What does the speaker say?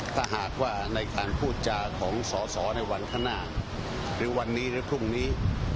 ถ้าหากว่าในการพูดจาของสอสอในวันข้างหน้าหรือวันนี้หรือพรุ่งนี้